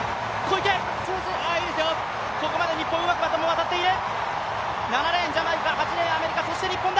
ここまで、日本、うまくバトンが回っている。